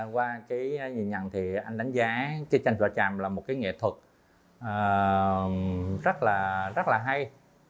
qua nhìn nhận thì anh đánh giá tranh vỏ tràm là một nghệ thuật rất là hay